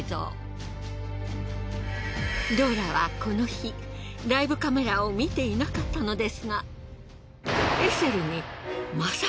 ローラはこの日ライブカメラを見ていなかったのですが。